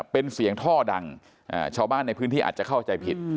เป็นเสียงท่อดังชาวบ้านในพื้นที่อาจจะเข้าใจผิด